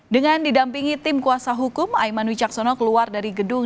dengan didampingi tim kuasa hukum aiman wicaksono keluar dari gedung